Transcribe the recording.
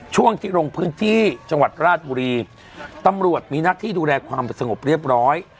ช่วงที่ลงพื้นที่จังหวัดราชบุรีตำรวจมีหน้าที่ดูแลความสงบเรียบร้อย